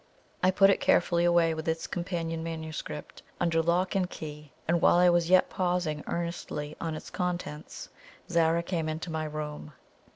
I put it carefully away with its companion MS. under lock and key, and while I was yet pausing earnestly on its contents, Zara came into my room.